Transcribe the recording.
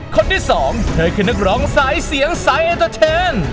คนที่สองเธอคือนักร้องสายเสียงสายเอ็นเตอร์เทน